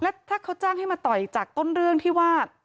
แล้วถ้าเขาจ้างให้มาต่อยจากต้นเรื่องที่ว่า